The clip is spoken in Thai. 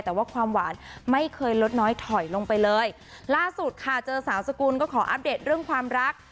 แต่ว่าความหวานไม่เคยลดน้อยถอยลงไปเลยล่าสุดค่ะเจอสาวสกุลก็ขออัปเดตเรื่องความรัก